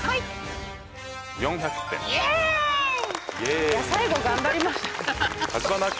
イエイ！いや最後頑張りました。